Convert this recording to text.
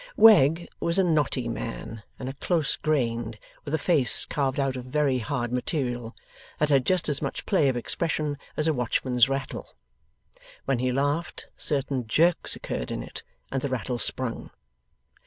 Wegg was a knotty man, and a close grained, with a face carved out of very hard material, that had just as much play of expression as a watchman's rattle. When he laughed, certain jerks occurred in it, and the rattle sprung.